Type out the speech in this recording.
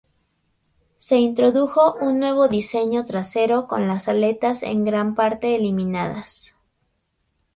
Se introdujo un nuevo diseño trasero con las aletas en gran parte eliminadas.